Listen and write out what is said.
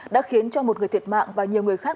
đã khiến cho một người thiệt mạng và nhiều người khác